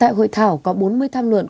tại hội thảo có bốn mươi tham luận